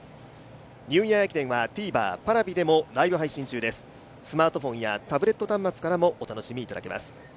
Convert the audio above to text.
ニューイヤー駅伝はＴＶｅｒ、Ｐａｒａｖｉでもライブ配信中です、スマートフォンやタブレット端末からもお楽しみいただけます。